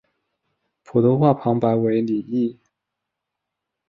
普通话旁白为李易。